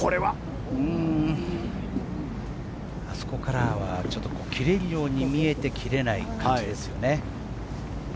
あそこからは切れるように見えて切れないですよね。